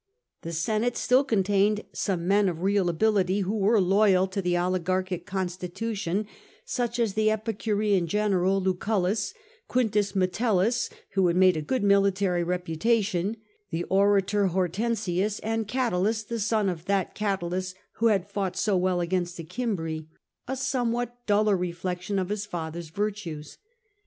The Senate still contained some men of real ability who were loyal to the oligarchic constitution, such as the Epicurean general Lucullus, Quintus Metellus, who had made a good military reputation, the orator Hortensius, and Catulus, the son of that Oatulus who had fought so well against the Cimbri — a somewhat duller reflection of his father's virtues.